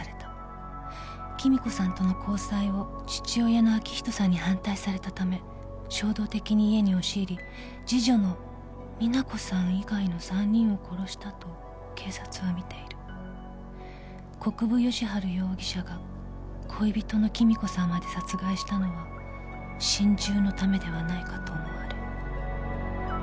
「貴美子さんとの交際を父親の明仁さんに反対されたため衝動的に家に押し入り次女の実那子さん以外の３人を殺したと警察はみている」「国府吉春容疑者が恋人の貴美子さんまで殺害したのは心中のためではないかと思われ」